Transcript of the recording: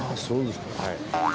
そうですか。